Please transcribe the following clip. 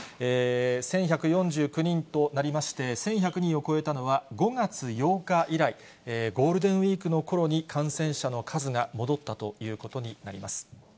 １１４９人となりまして、１１００人を超えたのは５月８日以来、ゴールデンウィークのころに感染者の数が戻ったということになります。